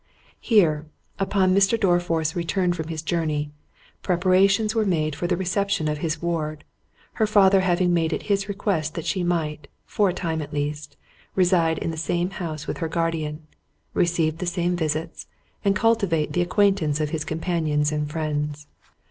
Here, upon Mr. Dorriforth's return from his journey, preparations were made for the reception of his ward; her father having made it his request that she might, for a time at least, reside in the same house with her guardian, receive the same visits, and cultivate the acquaintance of his companions and friends.